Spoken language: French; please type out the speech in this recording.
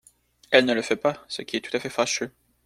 Elle ne le fait pas, ce qui est tout à fait fâcheux.